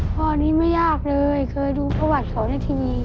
พ่อนี้ไม่ยากเลยเคยดูภาวะเขาในทีมี